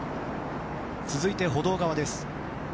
続いて歩道側です。